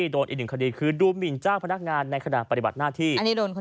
๖ดูหมินเจ้าพนักงานในขณะปฏิบัติหน้าที่